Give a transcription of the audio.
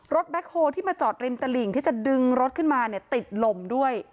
รถแบคโฮที่มาจอดริมตระหลิงที่จะดึงรถขึ้นมาติดลมด้วย